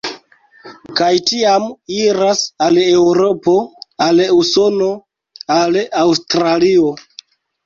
Kaj tiam iras al Eŭropo, al Usono, al Aŭstralio.